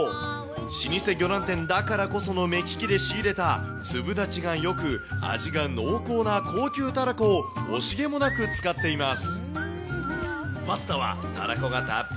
老舗魚卵店ならではの目利きで仕入れた粒立ちがよく、濃厚な味が高級タラコを惜しげもなく使っています。